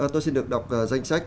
tôi xin được đọc danh sách